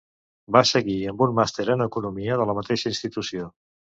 Va seguir amb un màster en economia de la mateixa institució.